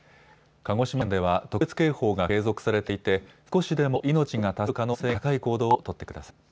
鹿児島県では特別警報が継続されていて、少しでも命が助かる可能性が高い行動を取ってください。